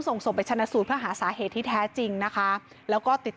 ส่งศพไปชนะสูตรเพื่อหาสาเหตุที่แท้จริงนะคะแล้วก็ติด